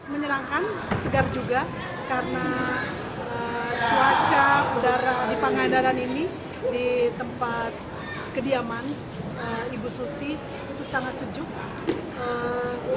menyenangkan segar juga karena cuaca udara di pangandaran ini di tempat kediaman ibu susi itu sangat sejuk